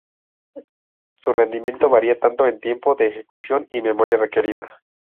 Su rendimiento varía tanto en tiempo de ejecución y memoria requerida.